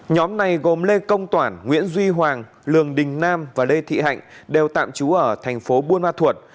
nhóm này gồm lê công toản nguyễn duy hoàng lường đình nam và lê thị hạnh đều tạm trú ở thành phố buôn ma thuột